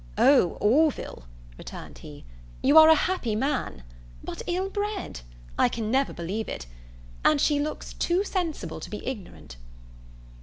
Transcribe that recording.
"O, Orville," returned he, "you are a happy man! But ill bred? I can never believe it! And she looks too sensible to be ignorant."